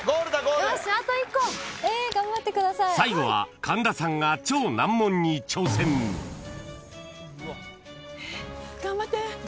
［最後は神田さんが超難問に挑戦］頑張って。